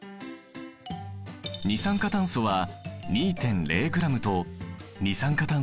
二酸化炭素は２．０ｇと二酸化炭素の方が重い。